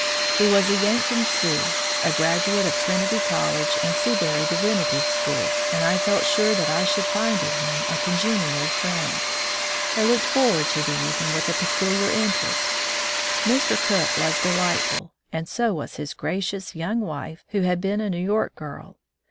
He was a Yankton Sioux, a graduate of Trinity College and Seabury Divinity School, and I felt sure that I should find in him a congenial friend. I looked forward to the evening with a peculiar interest. Mr. Cook was delightful, and so was his gracious young wife, who had 85 From the Deep Woods to Civilization been a New York girl.